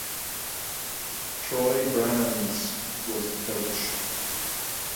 Troy Brandes was the Coach.